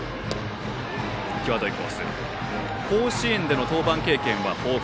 甲子園での登板経験は豊富。